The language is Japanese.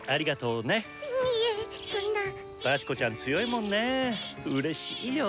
うれしいよ。